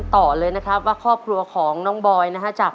ตัวเลือดที่๓ม้าลายกับนกแก้วมาคอ